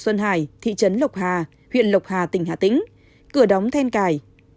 xuân hải thị trấn lộc hà huyện lộc hà tỉnh hà tĩnh cửa đóng then cài